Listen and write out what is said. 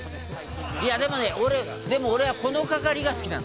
「いやでもね俺でも俺はこの係が好きなの」